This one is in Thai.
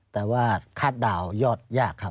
แต่ว่าคาดดาวนยอดยากครับ